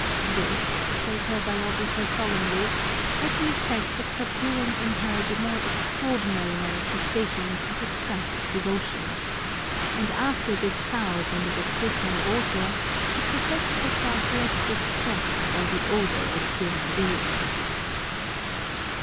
This, says her bio grapher solemnly, had the effect of subduing in her the more extraordinary manifestations of ecstatic devotion ; and after this souse in the baptismal water, she professed herself less distressed by the odour of human beings.